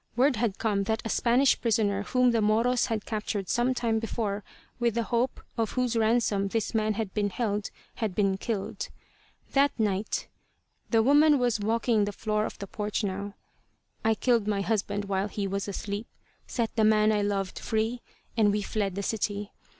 Word had come that a Spanish prisoner whom the Moros had captured some time before, and with the hope of whose ransom this man had been held, had been killed. "That night" the woman was walking the floor of the porch now "I killed my husband while he was asleep, set the man I loved free, and we fled the city.